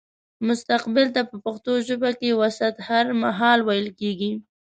مستقبل ته په پښتو ژبه کې وستهرمهال ويل کيږي